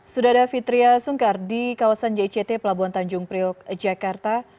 sudah ada fitriah sungkar di kawasan jict pelabuhan tanjung priok jakarta